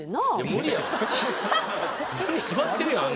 無理に決まってるやん